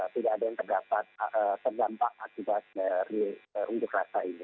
tidak ada yang terdampak akibat dari unjuk rasa ini